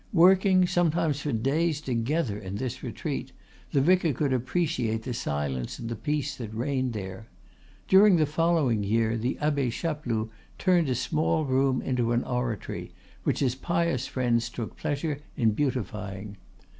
Working, sometimes for days together, in this retreat, the vicar could appreciate the silence and the peace that reigned there. During the following year the Abbe Chapeloud turned a small room into an oratory, which his pious friends took pleasure in beautifying.